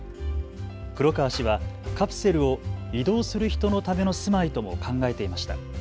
黒川氏はカプセルを移動する人のための住まいとも考えていました。